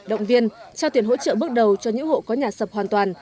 động viên trao tiền hỗ trợ bước đầu cho những hộ có nhà sập hoàn toàn